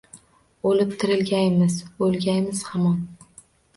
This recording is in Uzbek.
O’lib-tirilgaymiz? O’lgaymiz hamon?..